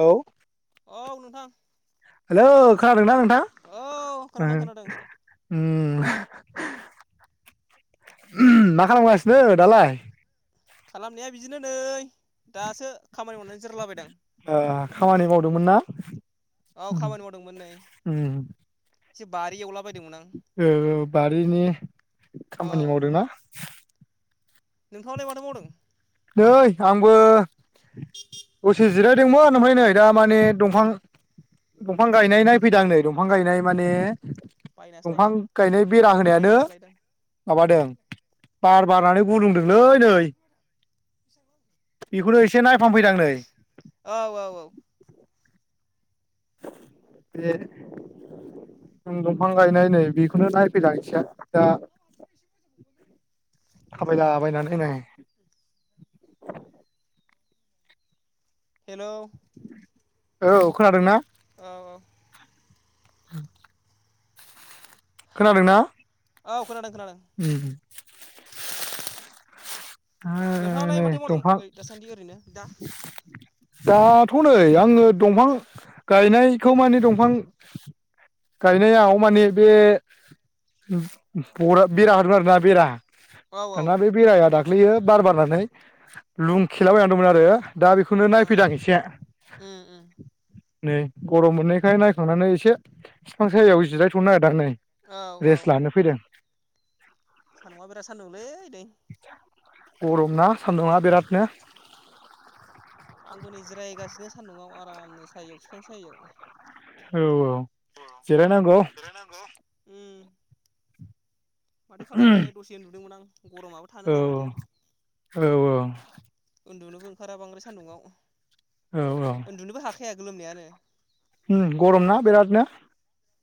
औ। औ नोंथां हेलौ खोनादोंना औ नोंथां ओ खोनादों खोनादों ओम। मा खालामगास नो दालाय? खालामनाया बिदिनो नै दासो। खामानि मावनानै जिरालाबायदों। ओ खामानि मावदोंमोन ना? उम उम जि बारि एवला ओ औ बारिनि खामानि मावदोंना? नोंथांङालाय माथो मावदों? नै आंबो दसे जिरायदोंमोन ओमफाय नै दा माने दंफां दंफां गायनाय नाय फैदो आं नै दंफां गायनाय माने। बायनासो दंफां लायदां गायनाय बेरा होनायानो बायनासो लायदां माबादों बार बारनानै गुलुंदोंलै नै [unintelligible] बिखौनो इसे नाय औ औ औ दे ओम दंफां गायनाय नै बेखौनो नायफैदो आं इसे दा। मोनसे मोनसे उनाव गेजेराव थाबायलाबायनानै नाय हेलौ औ खोनादों ना? औ औ [inaudible] खोनादोंना? औ खोनादों खोनादों उम आ नोंथाङालाय नै माथो मावदों दंफां ओ दासान्दि ओरैनो दा। दाथ नै आंङो दंफां गायनायखौ माने दंफां गायनायाव माने बे बरा-बेरा होदों आरोना बेरा। औ औ थाना बे बेराया दाग ग्लैयो बार बारनानै लुं खेलाबायना दंमोन आरो। दा बेखौनो नायफैदां ओं इसे उम उम नै गरम मोनैखाय नायखांनानै एसे बिफां सायाव जिरायथनो नागिरदां आं नै औ रेस्ट लानो फैदों सान्दुंङा बिराद सान्दुंलै नै गरम ना सान्दुङा बिरादनो आंबो नै जिरायगासिनो सान्दुंआव आरामनो सायायाव बिफां साययाव औ औ जिराय नांगौ उ माथो खालामनो दसे उन्दुदोंमोन आं गरमाबो थानो औ हाया माथो औ औ औ उन्दुनोबो ओंखारा बांद्राय सान्दुङआव औ औ खाया गोलोमनायानो उम गरम ना बिरादनो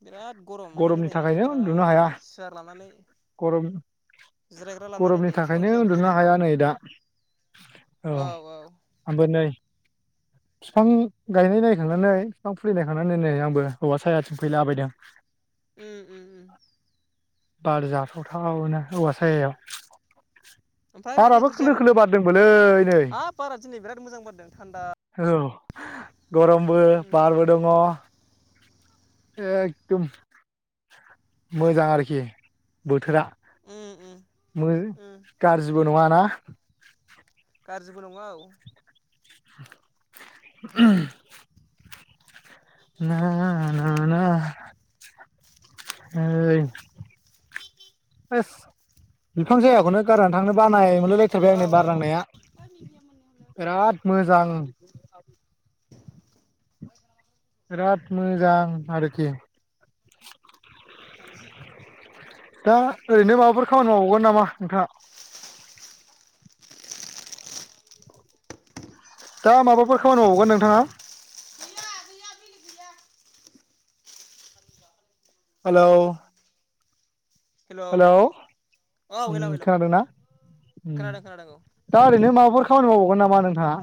बिराद गरम ओंखायनो गरमनि नै थाखायनो उन्दुनो हाया आरामनो सियार लानानै गरम जिरायग्रा लानानै गरमनि नै बिफां थाखायनो सायावसो उन्दुनो हाया जिरायफैदों नै दा आं औ औ आंबो नै बिफां गायनाय नायखांनानै बिफां फुलिनायखांनानै नै आंबो हौवा सायाथिं फैला बायदों उ उ बार जाथावथावनो औवा सायायाव ओमफ्राय माथो बाराबो इंख्रि खोलो खोलो जायामोन बारदोंबोलै नै हाब बारा दिनै बिराद मोजां बारदों थान्दा औ गरमबो उम बारबो दङ एखदम मोजां आरोखि बोथोरा उम उम मो उम गाज्रिबो नङा ना गाज्रिबो नङा औ उम ना ना नै हु बिफां सायाखौनो गारनानै थांनो बानाय मोनलाय लायथारबाय औ आं औ बार औ नांनाया बिराद मोजां [inaudible] बिराद औ मोजां आरोखि [inaudible] थामजि दा उम ओरैनो माबाफोर खामानि मावबावगोन नामा नोंथाङा दा माबाफोर खामानि मावबावगोन नोंथाङा हेल' उम हेलौ औ हेलौ उम हेलौ खोनादोंना उम खोनादों खोनादों औ दा ओरैनो माबाफोर खामानि मावबावगोन नामा नोंथाङा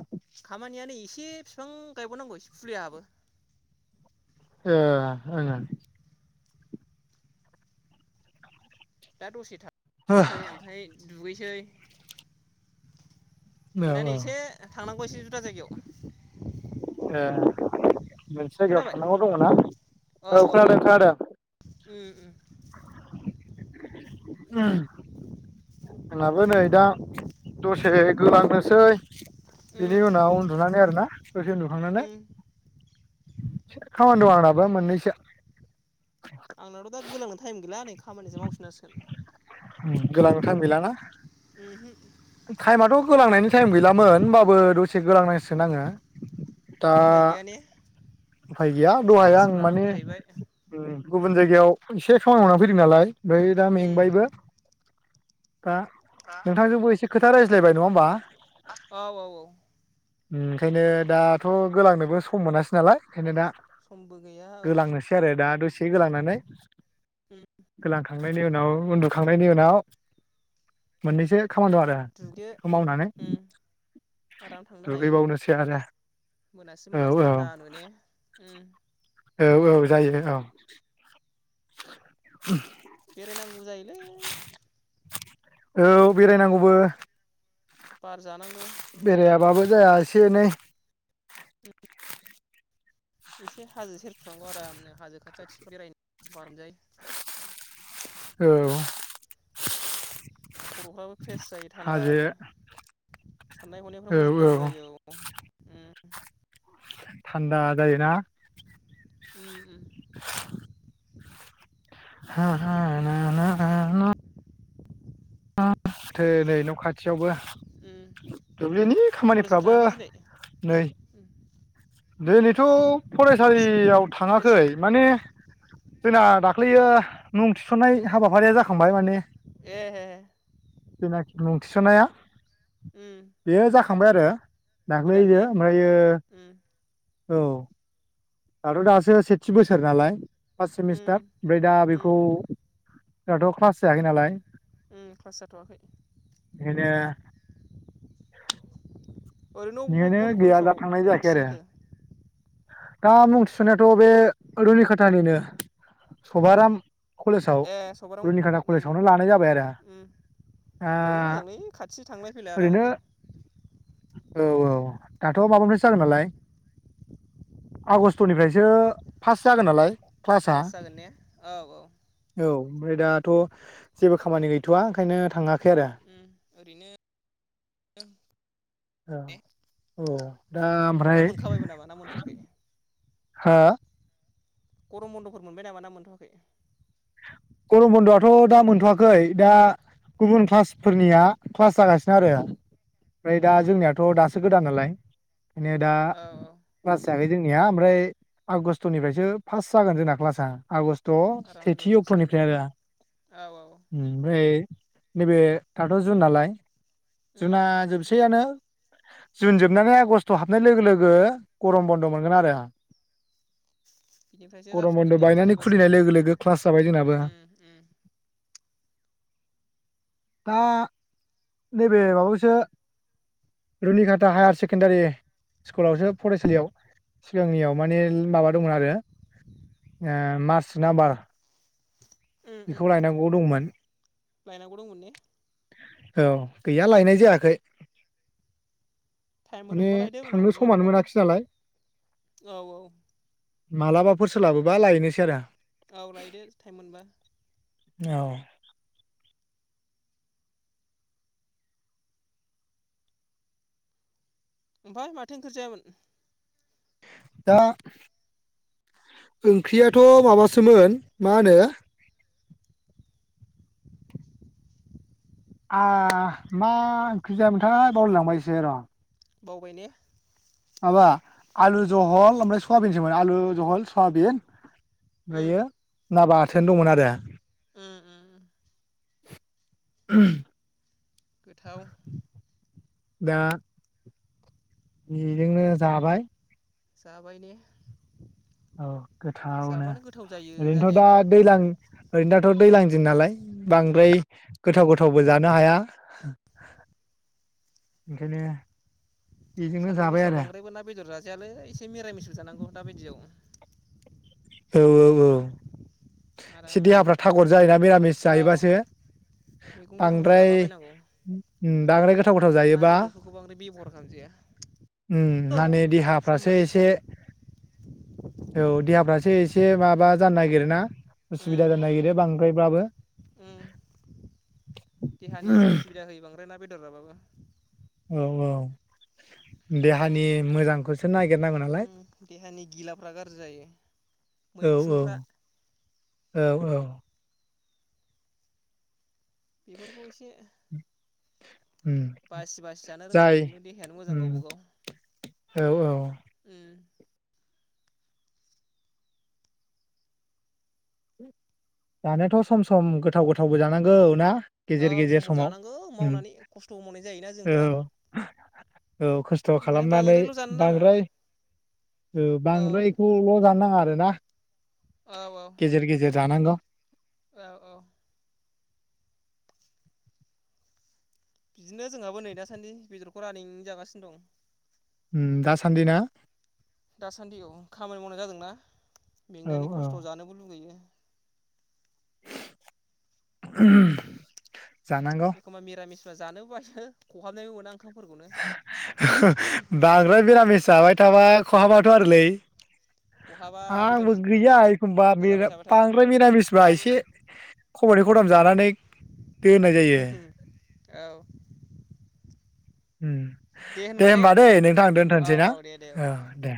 खामानियानो एसे बिफां गायबावनांगौसे फुलियाबो ए ओ दा दसे था थांसै आमफाय दुगैसै दुनानै औ एसे थांनां गौ एसे जुदा जायगायाव [unintelligible] मोनसे जायगायाव खोनाबाय थांनांगौ दङना औ खोनादों खोनादों उम उम उम जोंनाबो नै दा दसे गोलांनोसै उम बिनि उनाव उन्दुनानै आरोना दसे उन्दुखांनानै उम खामानि दं आंनाबो मोननैसो आंनाथ' दा गोलांनो टाइम गैला नै खामानिसो मावफिननांसिगोन गोलांनो टाइम गैला ना उमहुम टाइमाथ' गोलांनायनि टाइम गैलामोन होमबाबो दसे गोलांनांसिगोन आङो दा उफाय गैया ने उफाय गैया एसे दहाय आं रेस्टबो लानांगौ माने जाहैबाय उम गुबुन जायगायाव एसे खामानि मावनानै फैदों नालाय ओमफाय दा उम मेंबायबो दा नोंथांजोंबो एसे खोथा रायज्लायबाय नङा होमबा औ औ औ ओंखायनो दाथ' गोलांनोबो सम मोनासै नालाय बेखायनो दा समबो गैया औ गोलांनोसै आरो दा दसे गोलांनानै उम गोलांखांनो नि उनाव उन्दुखांनायनि उनाव मोननैसो खामानि दं आरो बेखौ दुगैदो उम मावनानै उम आराम थांनो हायो दुगैबावनोसै आरो मोनासि औ मोनासि थान्दा नो ने उम औ औ जायो औ [inaudible] बेरायनांगौबो जायोलै [inaudible] औ बेरायनांगौबो बार जानांगौ। बेरायाबाबो जाया एसे एनै इसे हाजो सेरफ्राव आरामनो हाजो खाथि [inaudible] औ खर'फ्राबो फ्रेस जायो हाजो थानदानो। साननाय-हनायफ्रा औ मोजां औ जायो औ उम। थानदा जायोना। उम उम हा हा ना ना ना [unintelligible] नै न' खाथियावबो उम दुब्लिनि कलेजफोर खामानिफ्राबो थाङाखै दिनै नै [unintelligible] थौ कलेज फरायसालियाव कलेज थाङाखै माने जोंना दाख्लैयो मुं थिसननाय हाबाफारिया जाखांबाय माने ए [unintelligible] मुं थिसनाया उम थांबाय आरो गोदान दाख्लैयो ने ओमफायो उम औ आथ' दासो सेथि बोसोर नालाय। फास सिमिस्टार उम ओमफ्राय दा उम बेखौ दाथ' क्लास जायाखै नालाय। ओम क्लास जाथ'वाखै। बेखायनो ओरैनो अब बेखायनो बबे गैया दा कलेजाव थांनाय मुं जायाखै आरो थिसनखो? दा मुं थिसन्नायाथ' बे रुनि खाथानिनो सभाराम कलेजाव ए सभाराम रुनिकाटा उम कलेजावनो लानाय जाबाय आरो उम बेयावनो दा मोजांलै खाथि थांलाय फैलाय ओरैनो आरामनो। औ औ दाथ' माबानिफ्रायसो जागोन नालाय आगस्ट'निफ्रायसो फास जागोन नालाय। क्लासआ क्लास जागोन ने औ औ। औ ओमफ्राय दाथ' जेबो खामानि गैथ'वा ओंखायनो थाङा खै आरो उम ओरैनो औ औ दा ना ओमफ्राय मोनखाबायबो नामा ना मोनथ'वाखै? हा गरम बन्द'फोर मोनबाय नामा ना मोनथ'वाखै? गरम बन्द'आथ' दा मोनथ'वाखै दा गुबुन क्लासफोरनिया क्लास जागासिनो आरो ओमफ्राय दा उम उम जोंनियाथ' दासो गोदान नालाय [inaudible] नेदा औ औ फास जायाखै जोंनिया ओमफ्राय आगष्टनिफ्रायसो फास्त जागोन जोंना क्लासा आगष्त त' आराम सेथि जाफिनसिगोन ने निफ्राय आरो औ औ ओमफ्राय नैबे दाथ' जुन नालाय उम जुना जुन जोबसैयानो जुन जोबनानै आगस्ट हाबनाय लोगो लोगो गरम बन्द' मोनगोन आरो आंहा बिनिफ्रायसो गरम बन्द बायनानै खुलिनाय लोगो लोगो क्लास जाबाय जोंनाबो ओम ओम दा नैबे माबायावसो रुनिकाटा हायार सेकेणडारि स्कुलावसो फरायसालियाव सिगांनियाव माने माबा दंमोन आरो मार्च नाम्बार उम उम बेखौ लायनांगौ दंमोन लायनांगौ दंमोन ने औ गैया लायनाय जायाखै टाइमफोर माने मोनबा लायदो थांनो उनाव समानो मालाबाफोर मोनाखिसै नालाय औ औ मालाबाफोर सोलाबोबा लायनोसै आरो औ लायदो टाइम मोनबा औ ओमफ्राय माथो ओंख्रि जायामोन? दा ओंख्रियाथ' माबासोमोन मा होनो ओ मा ओंख्रि जायामोनथाय बावलायलांबायसो र' बावबाय ने माबा आलु जहल ओमफ्राय सयाबिनसोमोन आलु जहल सयाबिन उम ओमफ्रायो ना बाथो थोन दंमोन आरो ओम ओम ओम [unintelligible] गोथाव दा बेजोंनो जाबाय जाबायने औ गोथावनो जायो ओरैनोथ' दा जानायालाय दैलां ओरैनो दाथ' दैलां दिन नालाय बांद्राय गोथाव गोथावबो जानो हाया ओंखायनो बेजोंनो सान्दुं जाबाय गोसोआव आरो बांद्रायबो ना बेदर जाजायालै एसे मिरा मिसुबो जानांगौ दा बादियाव औ औ औ एसे आराम देहाफ्रा थागर जायोना मरामिस औ जायोबासो मैगं गोथांफोर बांद्राय जालाबायनांगौ बांद्राय गोथाव गोथाव ना जायोबा। बेदरफोरखौ बांद्राय बेब'हार खालामजाया औ माने सम देहाफ्रासो लायै एसे सम औ देहाफ्रासो एसे एसे माबा जानो नागिरो ना। उसुबिदा उम जानो नागिरो बांद्रायब्लाबो उम देहानि उसुबिदा होयो [unintelligible] औ औ। देहानि मोजांखौसो नागिरनांगौ नालाय उम देहानि गिलाफ्रा गाज्रि जायो औ औ मैखुनफ्रा औ औ। बेफोरखौ एसे उम बासि बासि जानो रोंबा जाय नोंनो देहायानो मोजां उम गावबा गाव औ औ। [unintelligible] जानायाथ' सम सम गोथाव गोथावबो जानांगौ ना। गेजेर औ गेजेर समाव जानांगौ उम मावनानै खस्थ' मावनाय जायोना औ जोंफ्रा औ खस्थ' ओंखायनो खालामनानै बांद्रायल' जानो नाङा बांद्राय औ औ बांद्रायखौल' जानो नाङा आरो। ना औ औ। जानांगौ। औ औ। बिदिनो जोंहाबो नै दासान्दि बेदरखौ [unintelligible] जागासिनो दं। दासान्दि ना। दासान्दि औ खामानि मावनाय जादोंना। औ मेंनानै औ खस्थ' जानोबो लुगैयो। [unintelligible] एखमबा मिरामिस जानो [unintelligible] खहाबनायबो मोना आं। बांद्राय मिरामिस जाबाय थाबा खहाबाथ' आरोलै खहाबा बेदर आंबो गैया एखमबा जाबाय थाबाथाय बांद्राय निरामिसबा एसे खबनै खबथाम जानानै दोननाय जायो। औ। दे होनबा ने होमबा दैे नोंथां दोनथ'सै औ ना दे दे औ दे।